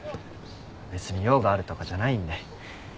別に用があるとかじゃないんで。